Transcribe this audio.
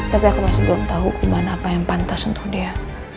tapi aku masih belum tahu kuman apa yang pantas untuk dia